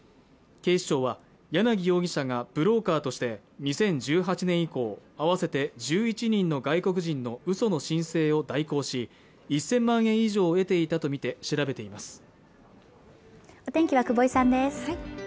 警視庁は楊容疑者がブローカーとして２０１８年以降合わせて１１人の外国人の嘘の申請を代行し１０００万円以上を得ていたとみて調べています